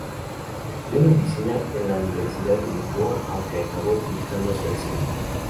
Estudió Medicina en la Universidad de Lisboa, aunque acabó dedicándose al cine.